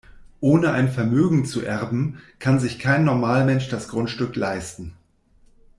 Ohne ein Vermögen zu erben, kann sich kein Normalmensch das Grundstück leisten.